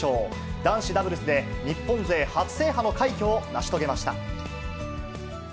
男子ダブルスで、日本勢初制覇の快挙を成し遂げました。